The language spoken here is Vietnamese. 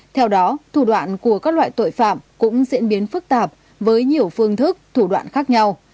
theo đó thủ đoạn của các loại tội phạm cũng diễn biến phức tạp với nhiều phương thức thủ đoạn khác nhau